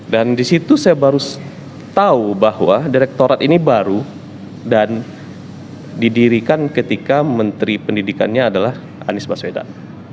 dan disitu saya baru tahu bahwa direktorat ini baru dan didirikan ketika menteri pendidikannya adalah anies baswedan